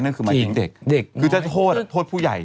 นั่นคือหมายถึงเด็กเด็กคือถ้าโทษโทษผู้ใหญ่